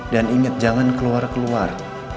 dan inget jangan keluar keluar